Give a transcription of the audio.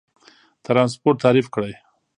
ترانسپورت تعریف کړئ.